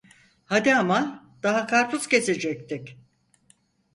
Hadi ama, daha karpuz kesecektik.